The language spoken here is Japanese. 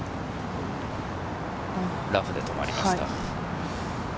ラフで止まりました。